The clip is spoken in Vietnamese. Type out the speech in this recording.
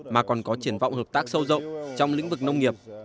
mà còn có triển vọng hợp tác sâu rộng trong lĩnh vực nông nghiệp